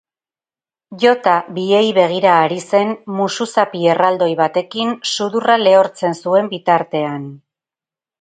Jota biei begira ari zen, musuzapi erraldoi batekin sudurra lehortzen zuen bitartean.